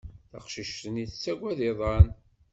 Taqcict-nni tettagad iḍan.